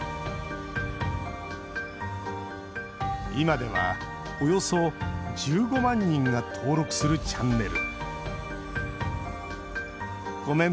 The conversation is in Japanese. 今では、およそ１５万人が登録するチャンネル。